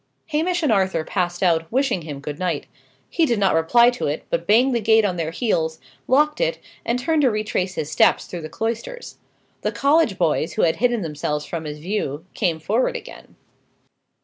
Hamish and Arthur passed out, wishing him good night. He did not reply to it, but banged the gate on their heels, locked it, and turned to retrace his steps through the cloisters. The college boys, who had hidden themselves from his view, came forward again.